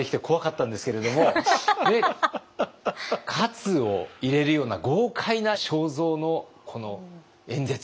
活を入れるような豪快な正造のこの演説。